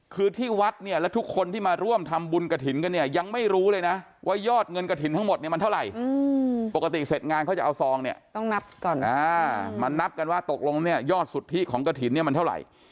คือที่วัดเนี่ยและทุกคนที่มาร่วมทำบุญกระถิ่นกันนี่